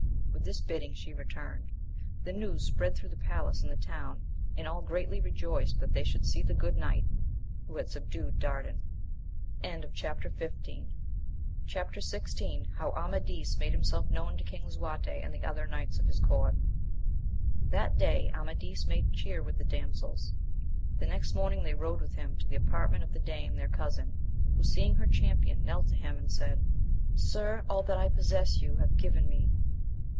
With this bidding she returned. The news spread thro' the palace and the town, and aH greatly rejoiced tiiat* ^Aie^ %\ift\A.^ ^<i<i tiva ^ood inight who had subdvxed "Dai&axi* 4 MAMS OF GAUL. 95 Chap. XVI — How Amadis made himself known to King . Lisuarte, and the other knights of his court. HAT day Amadis made cheer with the dam* sels ; the next morning they rode with him to the apartment of the dame their cousin, who seeing her champion, knelt to him and said, Sir, all that I possess you have given me